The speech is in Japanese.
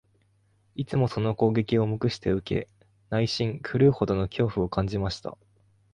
いつもその攻撃を黙して受け、内心、狂うほどの恐怖を感じました